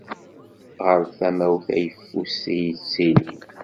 Ɣer tama-w tayeffust i yettili.